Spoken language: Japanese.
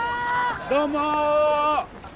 どうも。